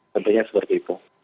tentunya seperti itu